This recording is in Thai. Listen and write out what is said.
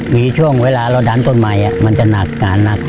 มีช่วงเวลาเราดันต้นไม้มันจะหนักหนานัก